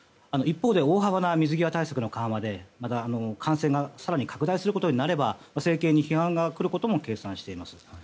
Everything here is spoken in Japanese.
一方で大幅な水際対策の緩和で感染が更に拡大することになれば政権に批判が来ることも計算しています。